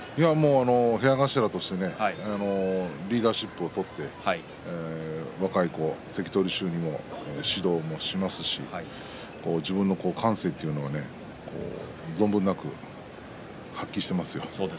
部屋頭としてリーダーシップを取って若い子、関取衆にも指導をしますし自分の感性というのも存分なく発揮しています。